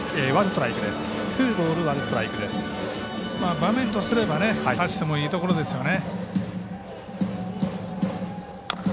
場面とすれば走ってもいい場面ですよね。